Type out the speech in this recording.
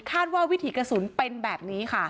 ว่าวิถีกระสุนเป็นแบบนี้ค่ะ